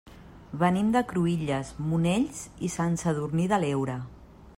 Venim de Cruïlles, Monells i Sant Sadurní de l'Heura.